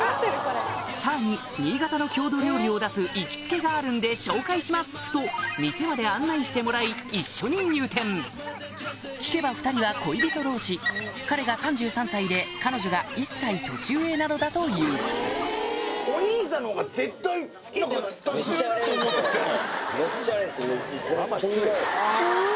さらに「新潟の郷土料理を出す行きつけがあるんで紹介します」と店まで案内してもらい一緒に入店聞けば２人は恋人同士彼が３３歳で彼女が１歳年上なのだというもうこんな。